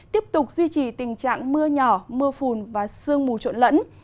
tiếp tục duy trì tình trạng mưa nhỏ mưa phùn và sương mù trộn lẫn